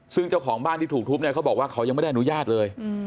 ซึ่งเจ้าของบ้านที่ถูกทุบเนี่ยเขาบอกว่าเขายังไม่ได้อนุญาตเลย